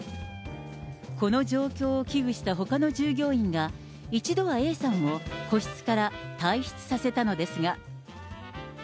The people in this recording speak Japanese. この状況を危ぐしたほかの従業員が、一度はＡさんを個室から退室させたのですが。